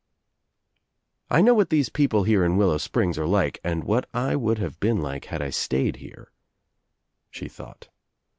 ' "I know what these people here in Willow Springs are like and what I would have been like had I stayed here," she thought.